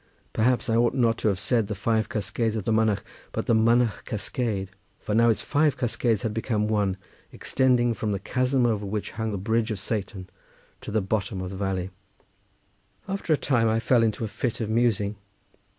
Perhaps I ought not to have said the five cascades of the Mynach, but the Mynach cascade, for now its five cascades had become one, extending from the chasm over which hung the bridge of Satan to the bottom of the valley. After a time I fell into a fit of musing.